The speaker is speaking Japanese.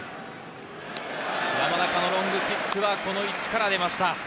山中のロングキックは、この位置から出ました。